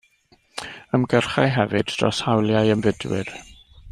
Ymgyrchai hefyd dros hawliau ymfudwyr.